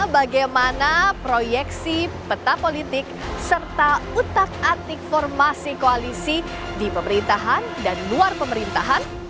bagaimana proyeksi peta politik serta utak atik formasi koalisi di pemerintahan dan luar pemerintahan